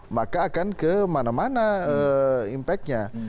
maka akan kemana mana impactnya